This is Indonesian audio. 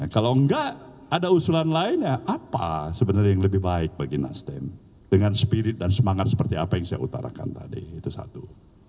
kalau enggak ada usulan lainnya apa sebenarnya yang lebih baik bagi nasdem dengan spirit dan semangat seperti apa yang saya utarakan tadi itu satu